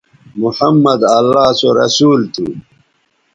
محمدؐ اللہ سو رسول تھو